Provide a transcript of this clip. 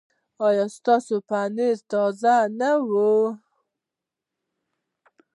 ایا ستاسو پنیر به تازه نه وي؟